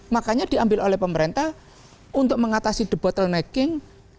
makanya diambil oleh pemerintah untuk mengatasi the bottlenecking